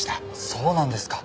そうなんですか。